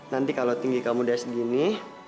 nanti kalau tinggi kamu udah segini